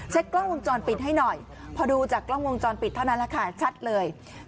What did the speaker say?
กล้องวงจรปิดให้หน่อยพอดูจากกล้องวงจรปิดเท่านั้นแหละค่ะชัดเลย